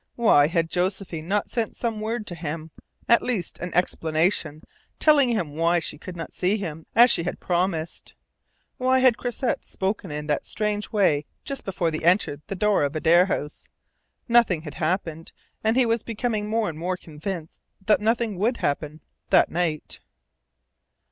Why had Josephine not sent some word to him at least an explanation telling him why she could not see him as she had promised? Why had Croisset spoken in that strange way just before they entered the door of Adare House? Nothing had happened, and he was becoming more and more convinced that nothing would happen that night.